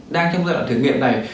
đang trong giai đoạn thử nghiệm này